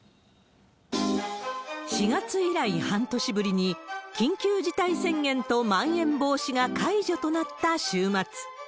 ４月以来半年ぶりに、緊急事態宣言とまん延防止が解除となった週末。